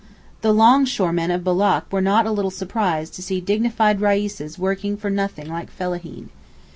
The 'long shore' men of Boulak were not a little surprised to see dignified Reises working for nothing like fellaheen.